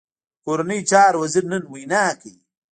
د کورنیو چارو وزیر نن وینا کوي